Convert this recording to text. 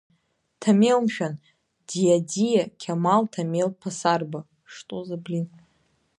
Ҭамел, мшәан, диадиа Қьамал, Ҭамел Ԥасарба!